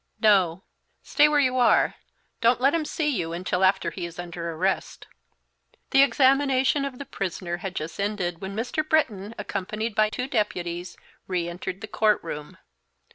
"No; stay where you are; don't let him see you until after he is under arrest." The examination of the prisoner had just ended when Mr. Britton, accompanied by two deputies, re entered the court room.